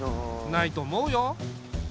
ないと思うよ。